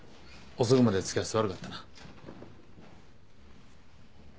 遅くまで付き合わせて悪かったな。